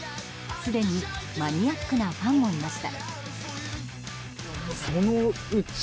すでにマニアックなファンもいました。